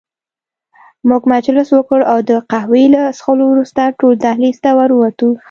موږ مجلس وکړ او د قهوې له څښلو وروسته ټول دهلېز ته ور ووتو.